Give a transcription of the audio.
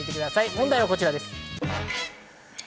問題はこちらです。